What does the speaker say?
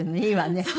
いいわね。